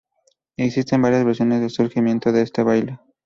Existen varias versiones del surgimiento de este baile.